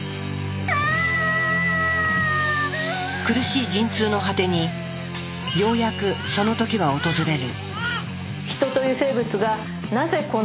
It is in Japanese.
苦しい陣痛の果てにようやくその時は訪れる。